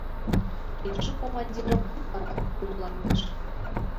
Тидыже командирым утларак кумылаҥдыш.